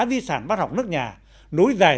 di sản văn học nước nhà nối dài